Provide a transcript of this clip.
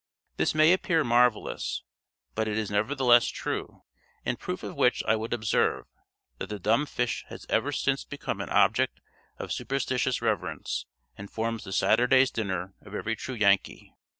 This may appear marvelous, but it is nevertheless true; in proof of which I would observe, that the dumb fish has ever since become an object of superstitious reverence, and forms the Saturday's dinner of every true Yankee.